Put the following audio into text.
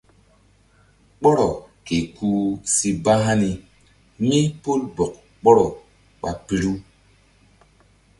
Ɓɔrɔ ke kuh si ba hani mí pol bɔk ɓɔrɔ ɓa piru.